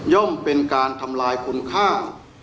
่อมเป็นการทำลายคุณค่า